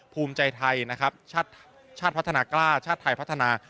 ภูมิใจไทยนะครับชาติพัฒนากล้าชาติไทยพัฒนา